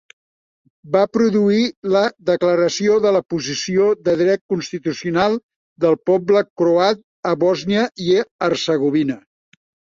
Va produir la "Declaració de la posició de dret constitucional del poble croat a Bòsnia i Hercegovina.